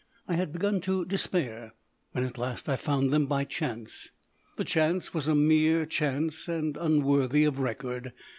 I had begun to despair when at last I found them by chance. The chance was a mere chance, and unworthy of record.